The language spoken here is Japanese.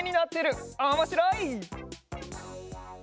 おもしろい！